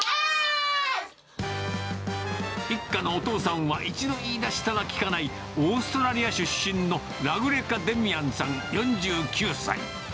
一家のお父さんは、一度言いだしたらきかないオーストラリア出身のラグレカ・デミアンさん４９歳。